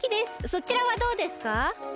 そちらはどうですか？